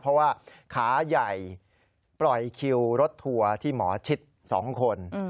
เพราะว่าขาใหญ่ปล่อยคิวรถทัวร์ที่หมอชิด๒คน